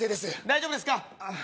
大丈夫ですか？